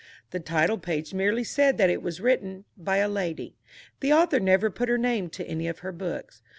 The title page merely said that it was written "By a Lady." The author never put her name to any of her books.